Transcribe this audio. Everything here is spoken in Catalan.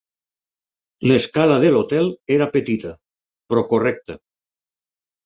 L'escala de l'hotel era petita, però correcta.